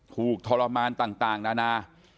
ทรมานต่างนานา